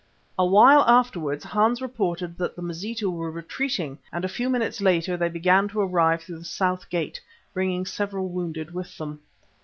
A while afterwards Hans reported that the Mazitu were retreating and a few minutes later they began to arrive through the south gate, bringing several wounded with them.